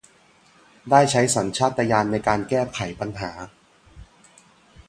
ได้ใช้สัญชาตญาณในการแก้ไขปัญหา